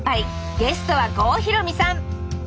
ゲストは郷ひろみさん